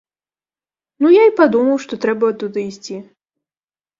Ну я і падумаў, што трэба туды ісці.